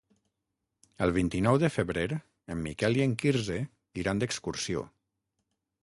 El vint-i-nou de febrer en Miquel i en Quirze iran d'excursió.